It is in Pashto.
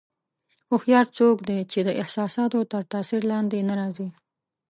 هوښیار څوک دی چې د احساساتو تر تاثیر لاندې نه راځي.